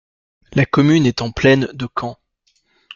La commune est en plaine de Caen.